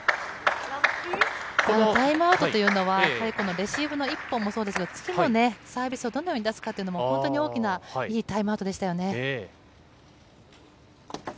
タイムアウトというのは、やはりレシーブの一本もそうですが、次のサービスをどのように出すかというのも、本当に大きな、いいタイムアウトでしたよね。